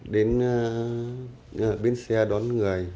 đến biến xe đón người